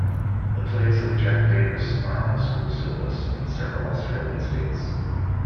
The plays of Jack Davis are on the school syllabus in several Australian states.